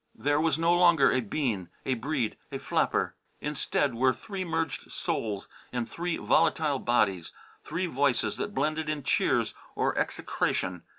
There was no longer a Bean, a Breede, a flapper. Instead were three merged souls in three volatile bodies, three voices that blended in cheers or execration.